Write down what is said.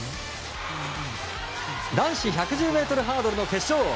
男子１１０ｍハードルの決勝。